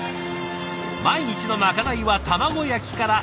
毎日のまかないは卵焼きから。